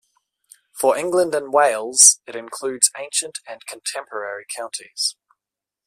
For England and Wales it includes ancient and contemporary counties.